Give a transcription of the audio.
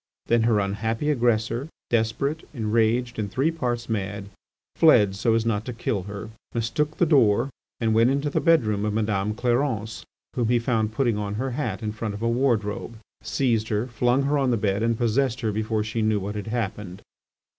Then her unhappy aggressor, desperate, enraged, and three parts mad, fled so as not to kill her, mistook the door, went into the bedroom of Madame Clarence, whom he found putting on her hat in front of a wardrobe, seized her, flung her on the bed, and possessed her before she knew what had happened.